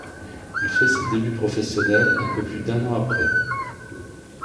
Il fait ses débuts professionnels un peu plus d'un an après.